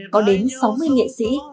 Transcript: có đến sáu mươi nghệ sĩ